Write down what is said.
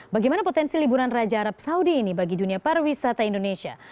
bagaimana potensi liburan raja arab saudi ini bagi dunia pariwisata indonesia